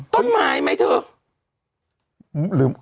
ต้นไม้มั้ยเถอะ